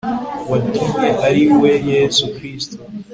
watumye ari we Yesu Kristo